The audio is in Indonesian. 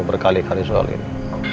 berkali kali soal ini